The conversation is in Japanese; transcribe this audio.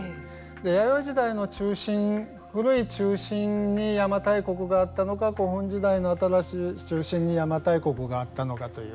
弥生時代の中心古い中心に邪馬台国があったのか古墳時代の新しい中心に邪馬台国があったのかという。